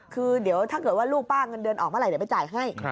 คือเดี๋ยวถ้าเกิดว่าลูกป้าเงินเดือนออกเมื่อไหร่เดี๋ยวไปจ่ายให้